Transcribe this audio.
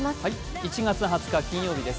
１月２０日金曜日です。